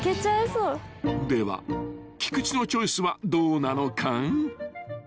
［では菊地のチョイスはどうなのか］